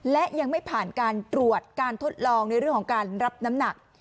และยังไม่ผ่านการตรวจการทดลองในเรื่องของการรับน้ำหนัก